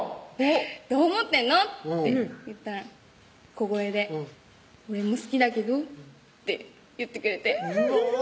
「どう思ってんの？」って言ったら小声で「俺も好きだけど」って言ってくれておぉ